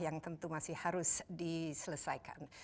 yang tentu masih harus diselesaikan